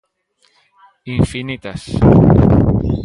Infinitas.